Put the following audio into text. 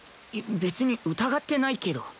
別に疑ってないけど。